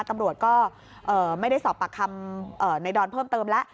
ตำรวจก็ไม่ได้สอบปากคำในดอนเพิ่มเติมแล้ว